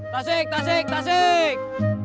tasik tasik tasik